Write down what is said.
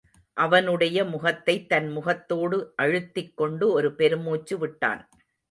அவனுடைய முகத்தைத் தன் முகத்தோடு அழுத்திக் கொண்டு ஒரு பெருமூச்சு விட்டான்.